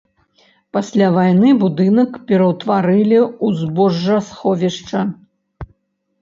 Пасля вайны будынак пераўтварылі ў збожжасховішча.